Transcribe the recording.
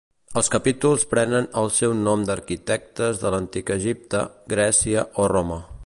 Els capítols prenen el seu nom d'arquitectes de l'antic Egipte, Grècia o Roma.